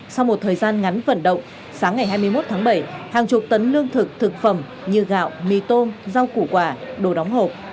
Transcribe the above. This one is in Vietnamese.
sau một thời gian ngắn vận động sáng ngày hai mươi một tháng bảy hàng chục tấn lương thực thực phẩm như gạo mì tôm rau củ quả đồ đóng hộp